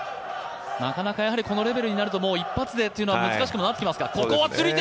なかなかこのレベルになると一発でというのは難しくなってきますか。